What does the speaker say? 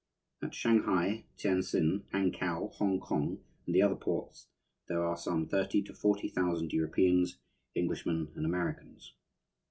At Shanghai, Tientsin, Hankow, Hongkong, and the other ports there are some thirty to forty thousand Europeans, Englishmen, and Americans.